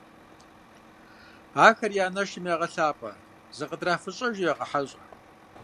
Ахэр я анэшым ягъэлъапӀэ, зыкытрафыщӀэу ягъэхьэщӀэ.